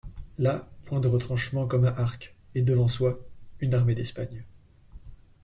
Là, point de retranchements, comme à Arques, et devant soi une armée d'Espagne.